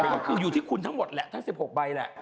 ก็คืออยู่ที่คุณทั้งหมดแหละทั้ง๑๖ใบแหละ